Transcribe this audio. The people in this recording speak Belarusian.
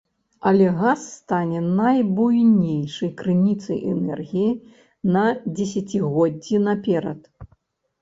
Але газ стане найбуйнейшай крыніцай энергіі на дзесяцігоддзі наперад.